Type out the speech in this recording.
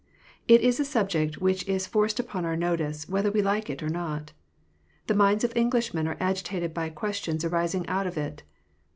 It is a subject which is forced upon our notice, whether we like it or not. The minds of Englishmen are agitated by questions arising out of it.